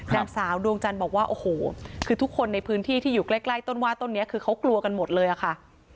นางสาวดวงจันทร์บอกว่าโอ้โหคือทุกคนในพื้นที่ที่อยู่ใกล้ต้นว่าต้นนี้คือเขากลัวกันหมดเลยอะค่ะ